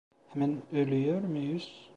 Hemen ölüyor muyuz?